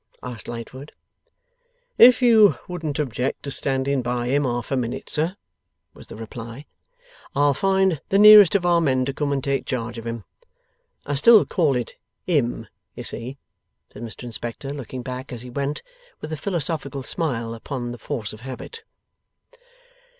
asked Lightwood. 'If you wouldn't object to standing by him half a minute, sir,' was the reply, 'I'll find the nearest of our men to come and take charge of him; I still call it HIM, you see,' said Mr Inspector, looking back as he went, with a philosophical smile upon the force of habit.